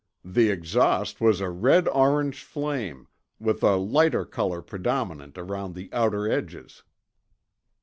The exhaust was a red orange flame, with a lighter color predominant around the outer edges."